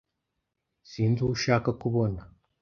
Sinzi uwo ushaka kubona